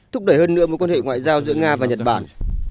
thúc đẩy hơn nữa mối quan hệ ngoại giao giữa nga và nhật bản